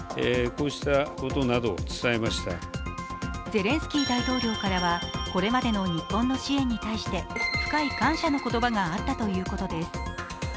ゼレンスキー大統領からはこれまでの日本の支援に対して深い感謝の言葉があったということです。